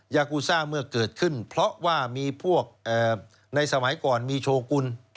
ยากูซ่าเมื่อเกิดขึ้นเพราะว่ามีพวกในสมัยก่อนมีโชกุล